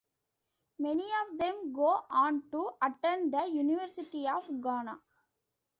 Many of them go on to attend the University of Ghana.